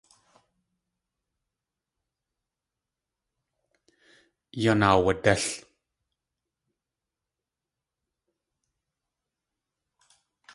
Yan aawadél.